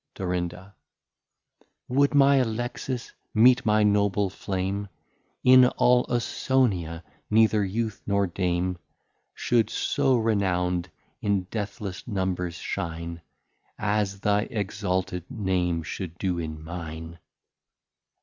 Dor. Would my Alexis meet my noble Flame, In all Ausonia neither Youth nor Dame, Should so renown'd in Deathless Numbers shine, As thy exalted Name should do in mine.